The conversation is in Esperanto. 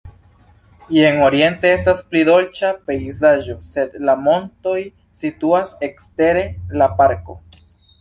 Jen oriente estas pli dolĉa pejzaĝo, sed la montoj situas ekstere la parko.